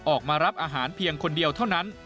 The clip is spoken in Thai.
ออกมารับอาหารเพียงคนเดียวเท่านั้น